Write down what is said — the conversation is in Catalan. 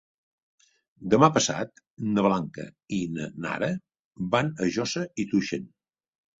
Demà passat na Blanca i na Nara van a Josa i Tuixén.